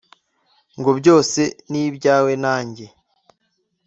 Ngo byose nibyawe nanjye,